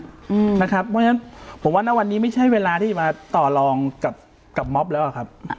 เพราะฉะนั้นผมว่าณวันนี้ไม่ใช่เวลาที่จะมาต่อรองกับม็อบแล้วครับ